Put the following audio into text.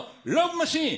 マシーン。